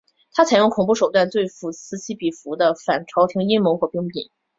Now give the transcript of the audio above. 他采用恐怖手段对付此起彼伏的反朝廷阴谋和兵变。